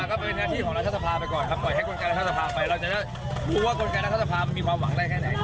เขาคงไม่ออกเอง